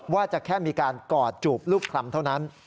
ว่าจะแค่มีการกอดจูบรูปคลำเท่านั้น